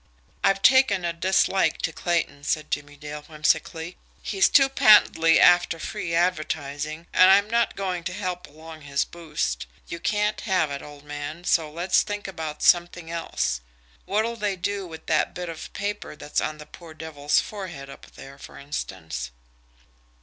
"I've taken a dislike to Clayton," said Jimmie Dale whimsically. "He's too patently after free advertising, and I'm not going to help along his boost. You can't have it, old man, so let's think about something else. What'll they do with that bit of paper that's on the poor devil's forehead up there, for instance."